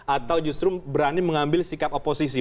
atau justru berani mengambil sikap oposisi